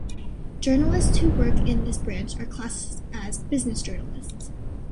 Journalists who work in this branch are classed as "business journalists".